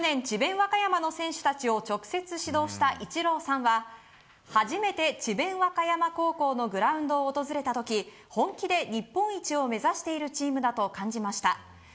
和歌山の選手たちを直接指導したイチローさんは初めて智弁和歌山高校のグラウンドを訪れた時本気で日本一を目指しているチームだと感じました。